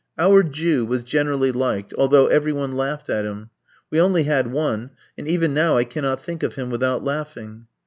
Our Jew was generally liked, although every one laughed at him. We only had one, and even now I cannot think of him without laughing.